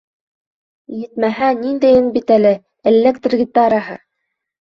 Етмәһә, ниндәйен бит әле — электр гитараһы!